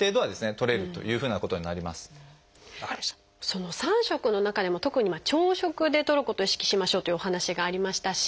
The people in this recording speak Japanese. その三食の中でも特に朝食でとることを意識しましょうというお話がありましたし